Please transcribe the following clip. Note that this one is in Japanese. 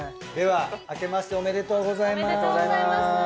ではあけましておめでとうございます。